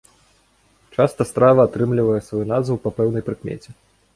Часта страва атрымлівае сваю назву па пэўнай прыкмеце.